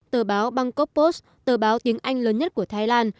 tờ báo bangkop post tờ báo tiếng anh lớn nhất của thái lan